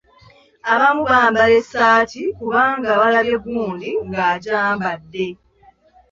Abamu bambala esaati kubanga alabye gundi ng'agyambadde.